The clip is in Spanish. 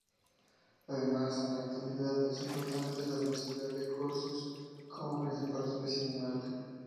Además, en la actualidad, es importante la densidad de corzos como principal especie animal.